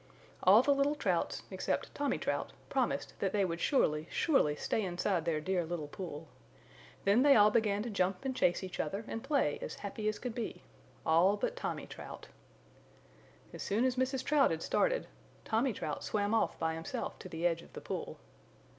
All the little Trouts, except Tommy Trout, promised that they would surely, surely stay inside their dear little pool. Then they all began to jump and chase each other and play as happy as could be, all but Tommy Trout. As soon as Mrs. Trout had started, Tommy Trout swam off by himself to the edge of the pool.